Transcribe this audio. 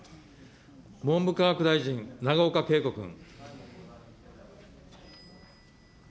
文部科学大臣、永岡桂子君。